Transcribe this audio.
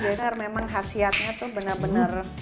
benar memang khasiatnya tuh benar benar